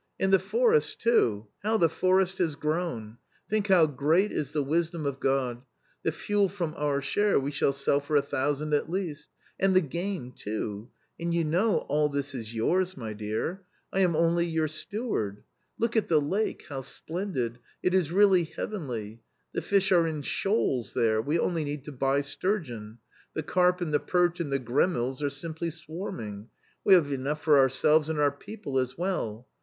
And the forest too ! how the forest has grown ! Think how great is the wisdom of God 1 The fuel from our share we shall sell for a thousand at least. And the game, too ! And you know all this is yours, my dear ; I am only your steward. Look at the lake, how splendid ! It is really heavenly ! The fish are in shoals there \ we only need to buy sturgeon ; the carp and the perch and the gremilles are simply swarming, we have enough for ourselves and our people as well.